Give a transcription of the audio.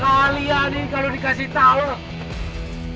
kalian ini kalo dikasih tau